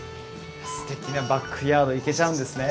すてきなバックヤードへ行けちゃうんですね？